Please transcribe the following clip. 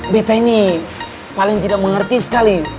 beta ini paling tidak mengerti sekali